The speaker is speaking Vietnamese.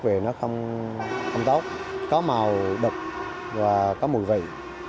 nước về nó không tốt có màu đậu và có mùi vầy